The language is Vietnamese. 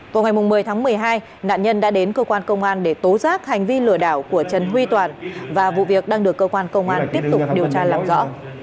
vào ngày một mươi tháng một mươi hai nạn nhân đã đến cơ quan công an để tố giác hành vi lừa đảo của trần huy toàn và vụ việc đang được cơ quan công an tiếp tục điều tra làm rõ